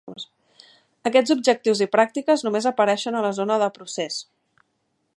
Aquests objectius i pràctiques només apareixen a la zona de procés.